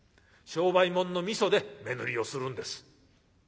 商売物の味噌で目塗りをするんです」。